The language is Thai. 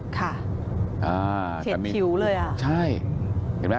กำลังใกล้ตอบว่าจะเห็นทิวเลย